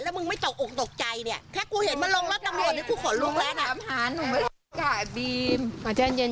แล้วมึงไม่ตกออกตกใจเนี่ย